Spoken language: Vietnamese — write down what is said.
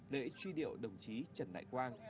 lễ truy điệu đồng chí trần đại quang